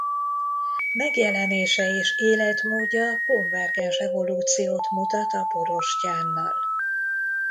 Megjelenése és életmódja konvergens evolúciót mutat a borostyánnal.